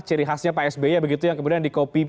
ciri khasnya pak sby begitu yang kemudian